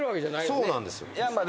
そうなんですよ。